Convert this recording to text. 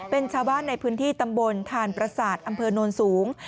เป็นชาวบ้านในพื้นที่ตำบลทานประสาทอำเภอโนนสูง